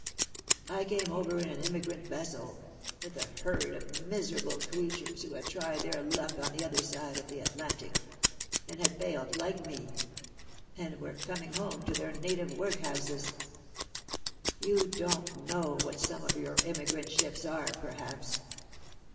I came over in an emigrant vessel, with a herd of miserable creatures who had tried their luck on the other side of the Atlantic, and had failed, like me, and were coming home to their native workhouses. You don't know what some of your emigrant ships are, perhaps.